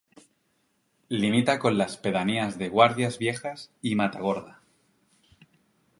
Limita con las pedanías de Guardias Viejas y Matagorda.